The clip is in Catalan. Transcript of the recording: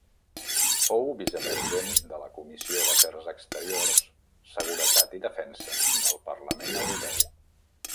Fou vicepresident de la Comissió d'Afers exteriors, Seguretat i Defensa del Parlament Europeu.